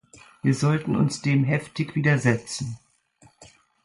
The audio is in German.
Wir sollten uns dem heftig widersetzen.